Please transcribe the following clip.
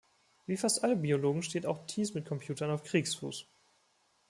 Wie fast alle Biologen steht auch Thies mit Computern auf Kriegsfuß.